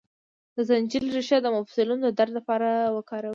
د زنجبیل ریښه د مفصلونو د درد لپاره وکاروئ